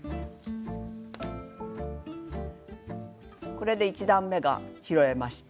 これで１段めが拾えました。